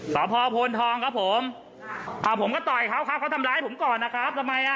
สพโพนทองครับผมอ่าผมก็ต่อยเขาครับเขาทำร้ายผมก่อนนะครับทำไมอ่ะ